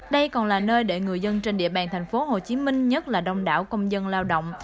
đây còn là nơi để người dân trên địa bàn thành phố hồ chí minh nhất là đông đảo công dân lao động